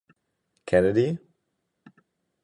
Kennedy?